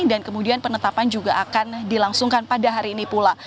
dan kemudian penetapan juga akan dilangsungkan pada hari ini pula